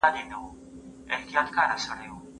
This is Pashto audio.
ايا هغه د قرآن کريم د تفسير او ترجمې ليکل درته وړانديز کړه؟